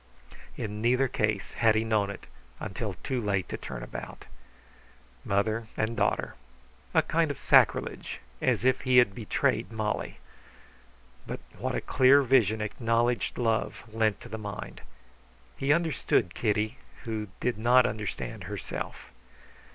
In neither case had he known it until too late to turn about. Mother and daughter; a kind of sacrilege, as if he had betrayed Molly! But what a clear vision acknowledged love lent to the mind! He understood Kitty, who did not understand herself.